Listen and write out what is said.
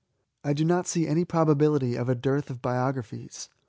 I do not see any probability of a dearth of biographies.